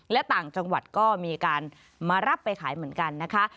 และต่างจังหวัดก็มีการมารับไปขายเหมือนกันนะคะ